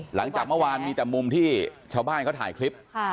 หลังจากเมื่อวานมีแต่มุมที่ชาวบ้านเขาถ่ายคลิป